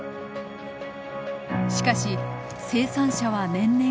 しかし生産者は年々減少。